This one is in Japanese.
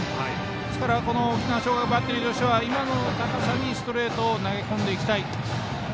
ですから沖縄尚学バッテリーとしては今の高さにストレートを投げ込んでいきたい。